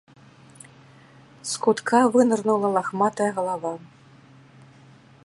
З кутка вынырнула лахматая галава.